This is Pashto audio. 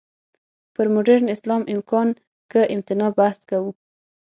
پر «مډرن اسلام، امکان که امتناع؟» بحث کوو.